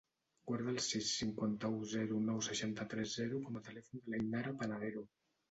Guarda el sis, cinquanta-u, zero, nou, seixanta-tres, zero com a telèfon de l'Ainara Panadero.